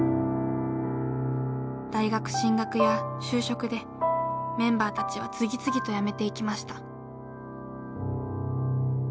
大学進学や就職でメンバーたちは次々とやめていきました。